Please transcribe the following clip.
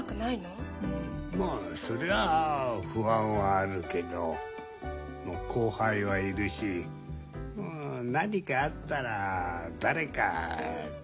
まあそりゃあ不安はあるけど後輩はいるし何かあったら誰か助けてくれるよ。